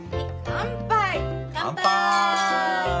乾杯！